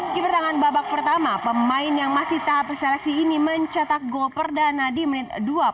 di pertangan babak pertama pemain yang masih tahap seleksi ini mencetak gol perdana di menit dua puluh satu